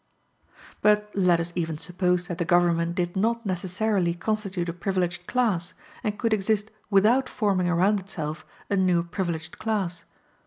But let us even suppose that the government did not necessarily constitute a privileged class, and could exist without forming around itself a new privileged class.